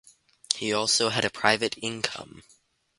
He also had a private income.